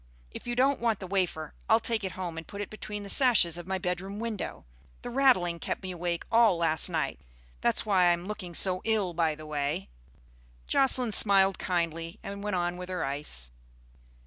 If you don't want the wafer I'll take it home and put it between the sashes of my bedroom window. The rattling kept me awake all last night. That's why I'm looking so ill, by the way." Jocelyn smiled kindly and went on with her ice.